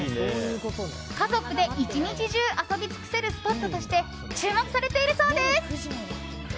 家族で１日中遊び尽くせるスポットとして注目されているそうです。